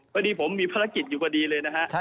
พอดีผมมีภารกิจอยู่พอดีเลยนะฮะ